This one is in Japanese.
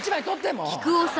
もう。